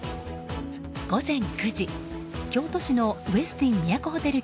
午前９時、京都市のウェスティン都ホテル